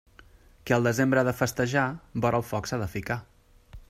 Qui al desembre ha de festejar, vora el foc s'ha de ficar.